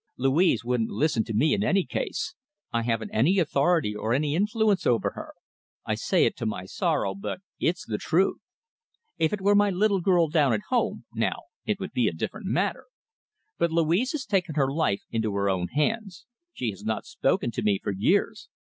Louise wouldn't listen to me in any case. I haven't any authority or any influence over her. I say it to my sorrow, but it's the truth. If it were my little girl down at home, now, it would be a different matter. But Louise has taken her life into her own hands. She has not spoken to me for years.